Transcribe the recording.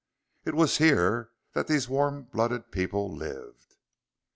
It was here that these warm blooded people lived!